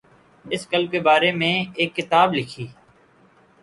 اس club کے بارے میں ایک کتاب لکھی